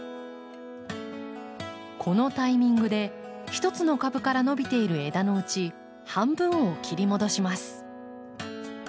このタイミングで１つの株から伸びている枝のうち半分を切り戻します。